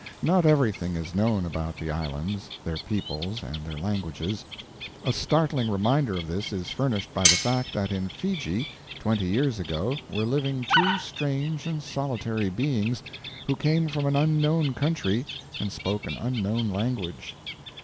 Not everything is known about the islands, their peoples and their languages. A startling reminder of this is furnished by the fact that in Fiji, twenty years ago, were living two strange and solitary beings who came from an unknown country and spoke an unknown language.